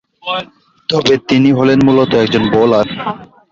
তবে তিনি হলেন মূলত একজন বোলার।